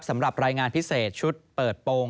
สำหรับรายงานพิเศษชุดเปิดโปรง